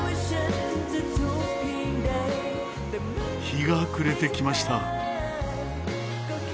日が暮れてきました。